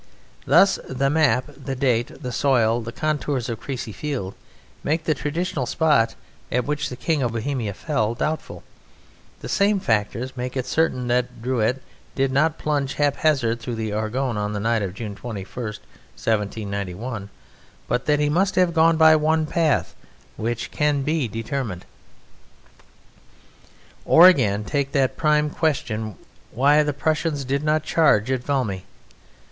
Thus the map, the date, the soil, the contours of Crécy field make the traditional spot at which the King of Bohemia fell doubtful; the same factors make it certain that Drouet did not plunge haphazard through Argonne on the night of June 21, 1791, but that he must have gone by one path which can be determined. Or, again, take that prime question, why the Prussians did not charge at Valmy.